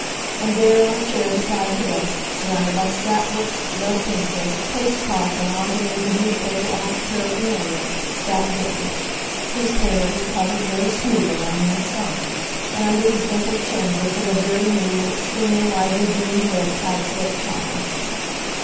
And there on a chair beside the desk, surrounded by scrap books, lead pencils, paste pot and odds and ends of newspaper office paraphernalia, sat Bennie. His hair was parted very smoothly on one side, and under his dimpled chin bristled a very new and extremely lively green and red plaid silk tie.